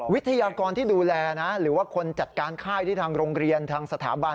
วิทยากรที่ดูแลนะหรือว่าคนจัดการค่ายที่ทางโรงเรียนทางสถาบัน